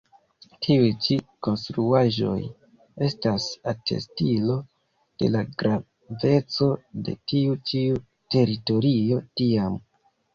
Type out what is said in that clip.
Tiuj ĉi konstruaĵoj estas atestilo de la graveco de tiu ĉiu teritorio tiam.